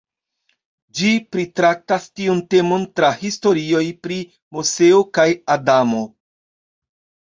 Ĝi pritraktas tiun temon tra historioj pri Moseo kaj Adamo.